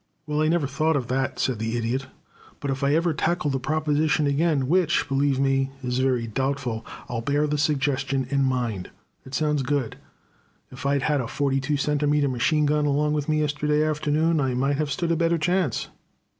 "Well, I never thought of that," said the Idiot, "but if I ever tackle the proposition again, which, believe me, is very doubtful, I'll bear the suggestion in mind. It sounds good. If I'd had a forty two centimeter machine gun along with me yesterday afternoon I might have stood a better chance."